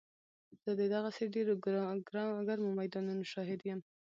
زه د دغسې ډېرو ګرمو میدانونو شاهد یم.